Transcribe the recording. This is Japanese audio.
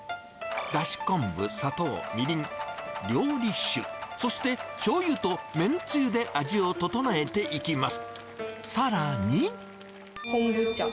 だし昆布、砂糖、みりん、料理酒、そして、しょうゆとめんつゆで味を調えていきます。